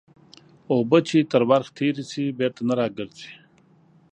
اوبه چې تر ورخ تېري سي بېرته نه راګرځي.